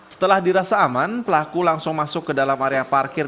setelah dirasa aman pelaku langsung masuk ke dalam area parkir